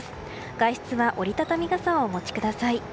外出は折り畳み傘をお持ちください。